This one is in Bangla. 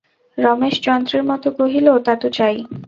রমেশ যন্ত্রের মতো কহিল, তা তো চাই।